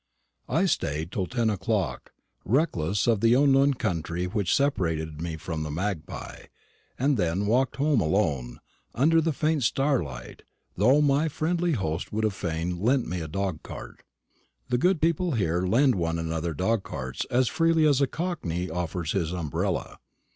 I stayed till ten o'clock, reckless of the unknown country which separated me from the Magpie, and then walked home alone, under the faint starlight, though my friendly host would fain have lent me a dog cart. The good people here lend one another dog carts as freely as a cockney offers his umbrella.